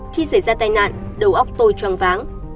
khi xảy ra tai nạn đầu óc tôi choáng váng